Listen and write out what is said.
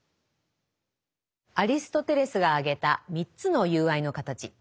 アリストテレスが挙げた３つの友愛の形。